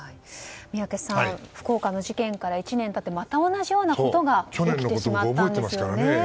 宮家さん福岡の事件から１年経ってまた同じようなことが起きてしまったんですよね。